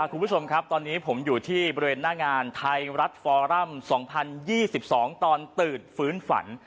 คุณผู้ชมครับตอนนี้ผมอยู่ที่บริเวณหน้างานไทยรัฐฟอรัม๒๐๒๒ตอนตื่นฟื้นฝัน